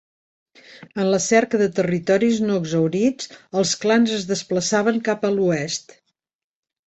En la cerca de territoris no exhaurits, els clans es desplaçaven cap a l'oest.